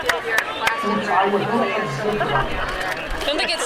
Ur ttɛawad ara ad d-tezziḍ ɣer da!